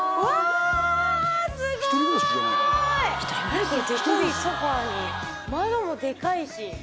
何これデカいソファに窓もデカいし。